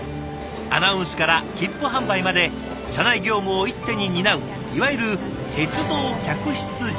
アナウンスから切符販売まで車内業務を一手に担ういわゆる鉄道客室乗務員。